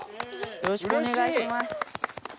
よろしくお願いします。